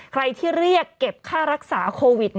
ใครที่เรียกเก็บค่ารักษาโควิด